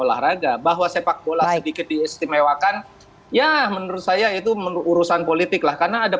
olahraga bahwa sepak bola sedikit diistimewakan ya menurut saya itu urusan politik lah karena ada